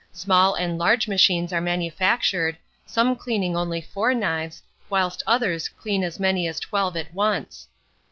Small and large machines are manufactured, some cleaning only four knives, whilst others clean as many as twelve at once.